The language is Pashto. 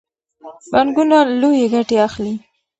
بانکونه لویې ګټې اخلي.